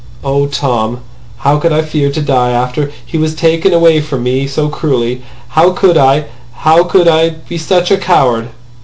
"Oh, Tom! How could I fear to die after he was taken away from me so cruelly! How could I! How could I be such a coward!"